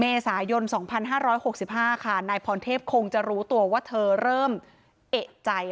เมษายน๒๕๖๕ค่ะนายพรเทพคงจะรู้ตัวว่าเธอเริ่มเอกใจ